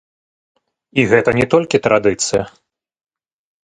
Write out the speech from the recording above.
І гэта не толькі традыцыя.